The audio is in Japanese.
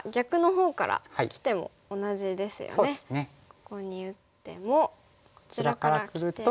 ここに打ってもこちらからきても。